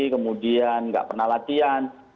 kemudian nggak pernah latihan